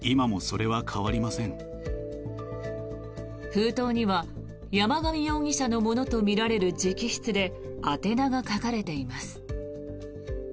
封筒には山上容疑者のものとみられる直筆で宛名が書かれています。